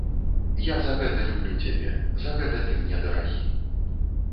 Я за гэта люблю цябе, за гэта ты мне дарагі.